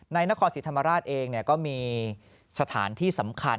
นครศรีธรรมราชเองก็มีสถานที่สำคัญ